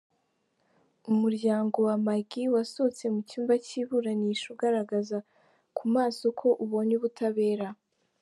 Umuryamgo wa Maggie wasohotse mu cyumba cy’iburasnisha ugaragaza ku maso ko ubonye ubutabera.